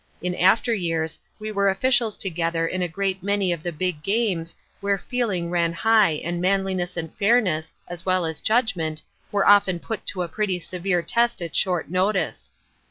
In after years we were officials together in a great many of the big games where feeling ran high and manliness and fairness, as well as judgment, were often put to a pretty severe test at short notice.